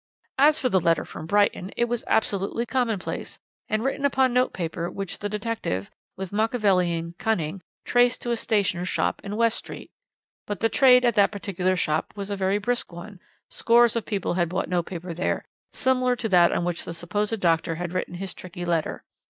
"As for the letter from Brighton, it was absolutely commonplace, and written upon note paper which the detective, with Machiavellian cunning, traced to a stationer's shop in West Street. But the trade at that particular shop was a very brisk one; scores of people had bought note paper there, similar to that on which the supposed doctor had written his tricky letter.